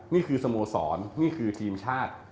นี่คือสโมสรนี่คือทีมชาติ